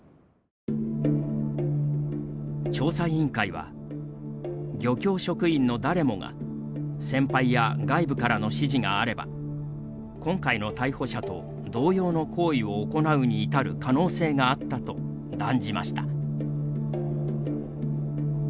調査委員会は「漁協職員の誰もが先輩や外部からの指示があれば今回の逮捕者と同様の行為を行うに至る可能性があった」と断じました。